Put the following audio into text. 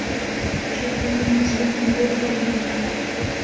Sophie nació en Hamburgo, Alemania.